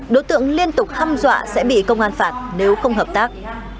đối tượng liên tục hâm dọa sẽ bị công an phạt nếu không hợp tác